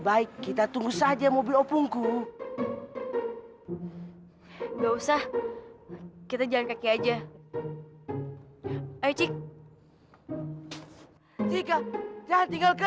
baik kita tunggu saja mobil opungku enggak usah kita jangan kaki aja cik jika jangan tinggalkan